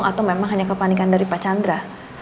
atau memang hanya kepanikan dari pak chandra